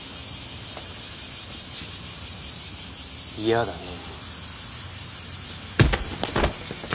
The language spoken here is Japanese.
嫌だね。